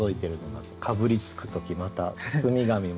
かぶりつく時また包み紙もみたいな。